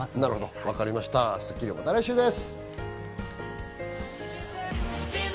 『スッキリ』はまた来週です。